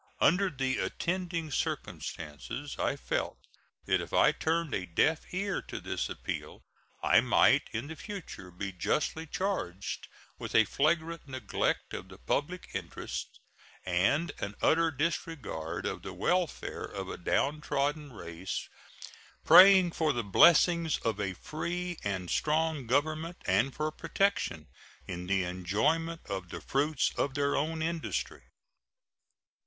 Under the attending circumstances I felt that if I turned a deaf ear to this appeal I might in the future be justly charged with a flagrant neglect of the public interests and an utter disregard of the welfare of a downtrodden race praying for the blessings of a free and strong government and for protection in the enjoyment of the fruits of their own industry.